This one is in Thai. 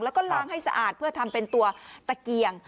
แล้วก็ล้างให้สะอาดเพื่อทำเป็นตัวตะเกียง